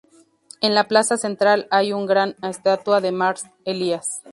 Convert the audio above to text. En la plaza central hay una gran estatua de Mar Elias.